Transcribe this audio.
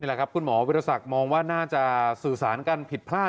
แหละครับคุณหมอวิทยาศักดิ์มองว่าน่าจะสื่อสารกันผิดพลาด